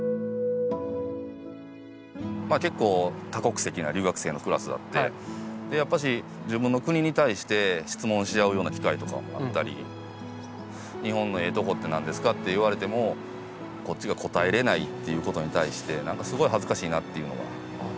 結構多国籍な留学生のクラスでやっぱし自分の国に対して質問し合うような機会とかがあったり日本のええとこって何ですかって言われてもこっちが答えれないっていうことに対して何かすごい恥ずかしいなっていうのが。